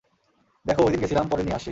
দেখো, ঐদিন গেসিলাম, পরে নিয়া আসছি।